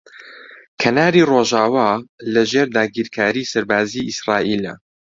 کەناری ڕۆژاوا لەژێر داگیرکاریی سەربازیی ئیسرائیلە.